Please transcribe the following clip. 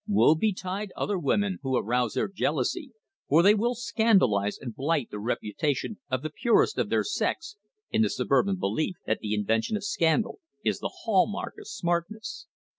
Woe betide other women who arouse their jealousy, for they will scandalise and blight the reputation of the purest of their sex in the suburban belief that the invention of scandal is the hallmark of smartness.